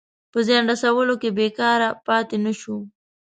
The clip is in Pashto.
په زیان رسولو کې بېکاره پاته نه شو.